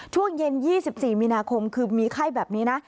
ช่วงเย็น๒๔มีนาคมคือมีไข้แบบนี้นะ